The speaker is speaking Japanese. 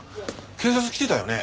警察来てたよね？